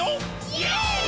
イエーイ！！